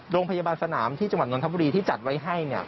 โรงพยาบาลสนามที่จังหวัดนทบุรีที่จัดไว้ให้